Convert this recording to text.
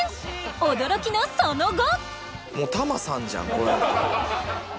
驚きのその後！